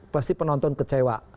pasti penonton kecewa